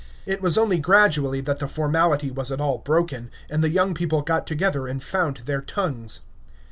It was only gradually that the formality was at all broken, and the young people got together and found their tongues.